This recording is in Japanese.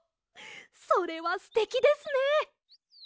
それはすてきですね。